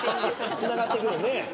つながってくるね。